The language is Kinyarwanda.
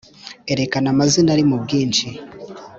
Erekana amazina ari mu bwinshi